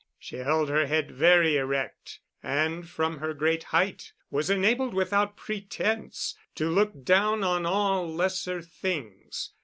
She held her head very erect, and from her great height was enabled without pretence to look down on all lesser things.